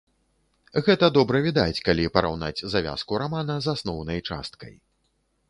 Гэта добра відаць, калі параўнаць завязку рамана з асноўнай часткай.